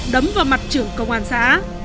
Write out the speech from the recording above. đấm vào mặt trưởng công an xã